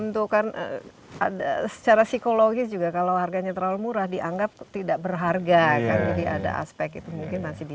terkadang ada terkadang